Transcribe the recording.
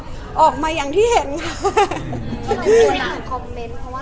แล้วก็ออกมาอย่างที่เห็นค่ะ